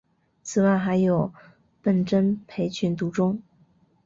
此外还有笨珍培群独中。